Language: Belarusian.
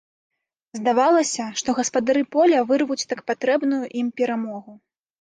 Здавалася, што гаспадары поля вырвуць так патрэбную ім перамогу.